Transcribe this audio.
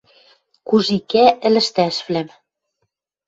Кужикӓ ӹлӹштӓшвлӓм...